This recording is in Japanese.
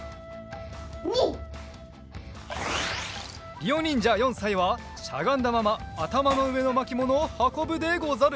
りおにんじゃ４さいはしゃがんだままあたまのうえのまきものをはこぶでござる！